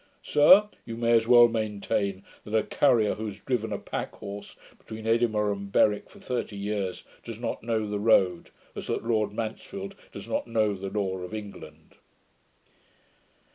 Sir, you may as well maintain that a carrier, who has driven a packhorse between Edinburgh and Berwick for thirty years, does not know the road, as that Lord Mansfield does not know the law of England.'